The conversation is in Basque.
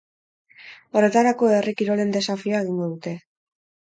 Horretarako, herri kirolen desafioa egingo dute.